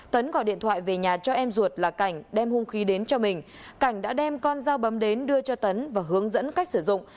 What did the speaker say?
tấn gọi điện thoại về nhà cho em ruột là cảnh đem hung khí đến cho mình cảnh đã đem con dao bấm đến đưa cho tấn và hướng dẫn cách sử dụng